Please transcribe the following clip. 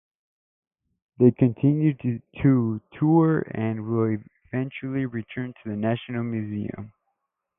They continue to tour and will eventually return to the National Museum.